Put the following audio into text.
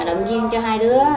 động viên cho hai đứa